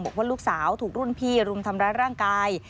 บอกว่าลูกสาวถูกรุ่นพี่รุมทำร้ายร่างกาย